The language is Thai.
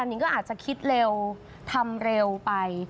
นิงก็อาจจะคิดเร็วทำเร็วไป